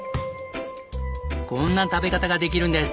こんな食べ方ができるんです。